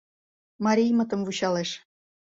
Мариймытым вучалеш.